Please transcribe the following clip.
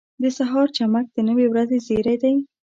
• د سهار چمک د نوې ورځې زېری دی.